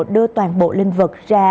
đưa toàn bộ linh vật ra